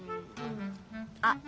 あっ！